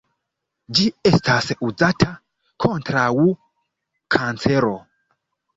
Ĝi estas uzata kontraŭ kancero.